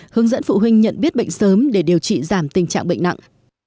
hướng dẫn phụ huynh nhận biết bệnh sớm để điều trị giảm tình trạng bệnh nặng